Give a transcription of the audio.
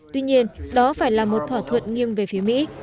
tuy nhiên đó phải là một thỏa thuận nghiêng về phía mỹ